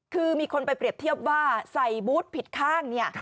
คือมีคนไปเปรียบเทียบว่าใส่บูธผิดข้างเนี่ย